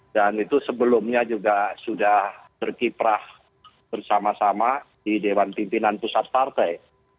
dan itu sebelumnya juga sudah berkiprah bersama sama di dewan pimpinan pusat partai